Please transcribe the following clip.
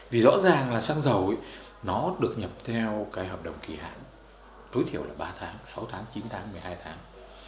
vì rõ ràng là xăng dầu nó được nhập theo cái hợp đồng kỳ hạn tối thiểu là ba tháng sáu tháng chín tháng một mươi hai tháng